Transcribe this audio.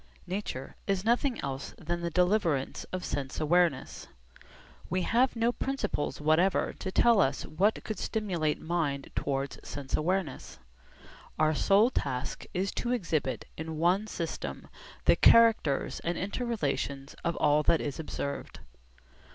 Nature is nothing else than the deliverance of sense awareness. We have no principles whatever to tell us what could stimulate mind towards sense awareness. Our sole task is to exhibit in one system the characters and inter relations of all that is observed.